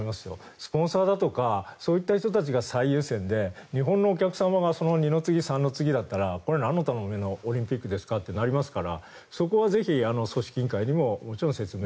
スポンサーだとかそういった人たちが最優先で日本のお客様が二の次三の次だとなんのためのオリンピックだとなりますからそこはぜひ、組織委員会にももちろん説明を。